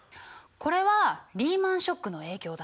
これはリーマンショックの影響だね。